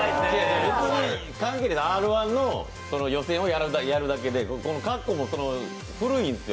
別に「Ｒ−１」の予選をやるだけでこの格好も古いんですよ。